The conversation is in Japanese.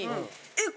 えっ！？